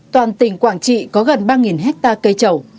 toàn tỉnh quảng trị có gần ba hectare cây trầu